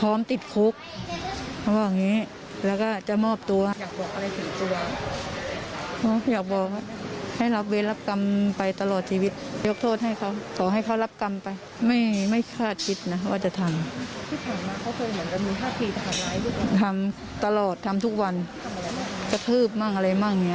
ทำตลอดทำทุกวันกระทืบบ้างอะไรบ้างเนี่ย